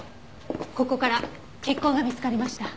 ここから血痕が見つかりました。